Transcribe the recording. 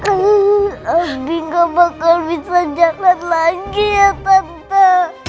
abi gak bakal bisa jalan lagi ya tante